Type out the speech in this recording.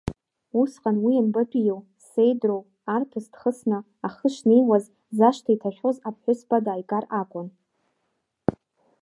Усҟан уи анбатәиу седроу арԥыс дхысны ахы шнеиуаз зашҭа иҭашәоз аԥҳәызба дааигар акәын.